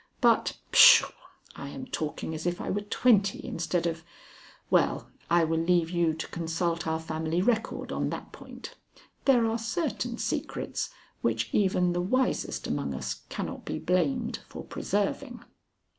But, pshaw! I am talking as if I were twenty instead of Well, I will leave you to consult our family record on that point. There are certain secrets which even the wisest among us cannot be blamed for preserving.